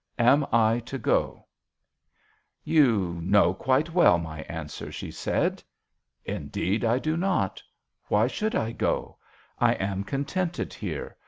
Am I to go ?" "You know quite well my answer," she said. "Indeed I do not. Why should I go ? I am contented here.